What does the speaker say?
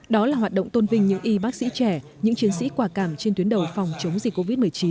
đó là hoạt động tôn vinh những y bác sĩ trẻ những chiến sĩ quả cảm trên tuyến đầu phòng chống dịch covid một mươi chín